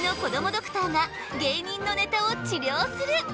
ドクターが芸人のネタを治りょうする！